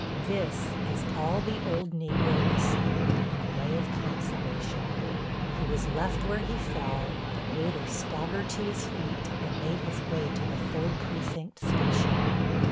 This is all the old Negro received in the way of consolation. He was left where he fell, but later staggered to his feet and made his way to the third precinct station.